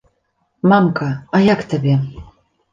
Мамка, а як табе?